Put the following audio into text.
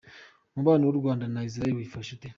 Umubano w’u Rwanda na Israel wifashe ute?.